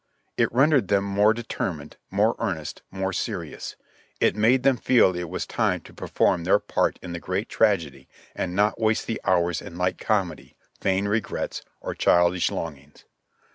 It rendered them more determined, more earnest, more serious; it made them feel it was time to perform their part in the great tragedy and not waste the hours in light comedy, vain regrets, or childish longings.